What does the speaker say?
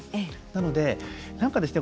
なので、なんかですね